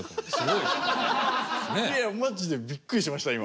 いやマジでびっくりしました今。